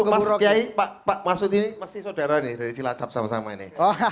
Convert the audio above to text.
mas yai pak pak mas yai ini masih saudara nih dari cilacap sama sama ini